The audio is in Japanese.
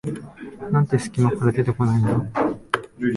なんですき間から出てこないんだ